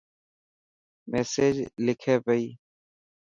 ميسج لکي پئي.